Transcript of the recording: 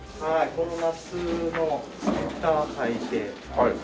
この夏のインターハイで。